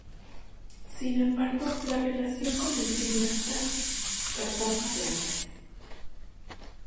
Sin embargo, la relación con el cineasta databa de antes.